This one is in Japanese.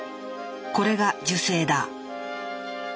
これが受精だ。